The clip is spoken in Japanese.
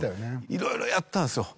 いろいろやったんですよはい。